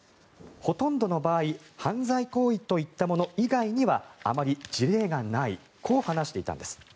ほとんどの場合犯罪行為といったもの以外にはあまり事例がないと話していたんです。